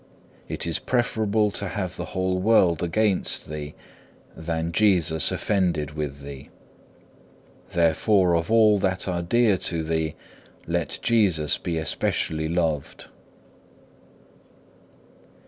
It is preferable to have the whole world against thee, than Jesus offended with thee. Therefore of all that are dear to thee, let Jesus be specially loved.